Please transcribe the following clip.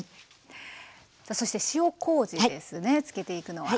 さあそして塩こうじですね漬けていくのは。